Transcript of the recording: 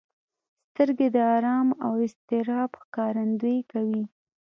سترګې د ارام او اضطراب ښکارندويي کوي